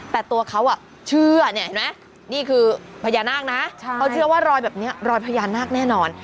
แต่ตัวเขาเชื่อเนี่ยเห็นไหมนี่คือพญานาคนะเขาเชื่อว่ารอยแบบนี้รอยพญานาคแน่นอน